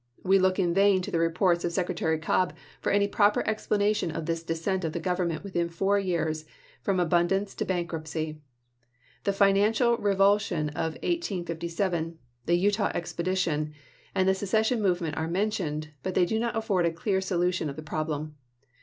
We look in vain in the reports of Secretary Cobb for any proper explanation of this descent of the Government within four years from abundance to bankruptcy. The financial re vulsion of 1857, the Utah expedition, and the se cession movement are mentioned, but they do not afford a clear solution of the problem.